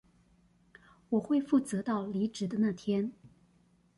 我會負責到離職的那天